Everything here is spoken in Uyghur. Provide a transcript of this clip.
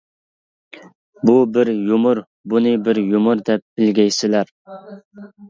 بۇ بىر يۇمۇر بۇنى بىر يۇمۇر دەپ بىلگەيسىلەر!